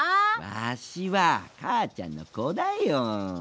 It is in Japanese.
ワシは母ちゃんの子だよ。